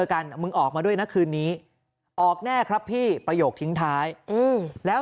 กันมึงออกมาด้วยนะคืนนี้ออกแน่ครับพี่ประโยคทิ้งท้ายแล้ว